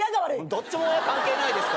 どっちも親関係ないですから。